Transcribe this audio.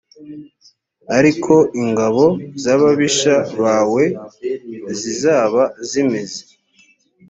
ariko ingabo z ababisha bawe zizaba zimeze